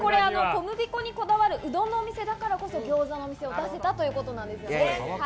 小麦粉にこだわるうどんのお店だからこそギョーザのお店を出せたということなんですよね。